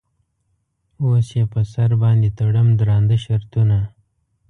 اوس یې په سر باندې تړم درانده شرطونه.